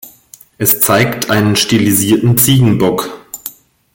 Es zeigt einen stilisierten Ziegenbock.